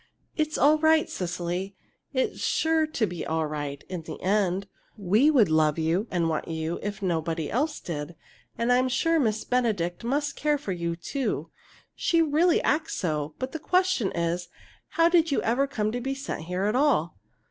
"It's all right, Cecily; it's sure to be all right in the end. We would love you and want you if nobody else did. And I'm sure Miss Benedict must care for you too. She really acts so. But the question is, how did you ever come to be sent here at all?